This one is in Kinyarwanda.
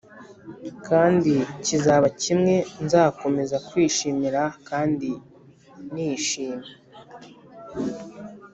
kandi kizaba kimwe nzakomeza kwishimira kandi nishimye,